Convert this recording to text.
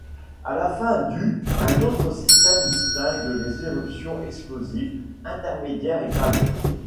À la fin du un autre système distingue les éruptions explosives, intermédiaires et calmes.